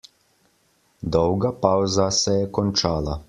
Dolga pavza se je končala.